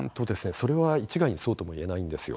それは、一概にそうともいえないんですよ。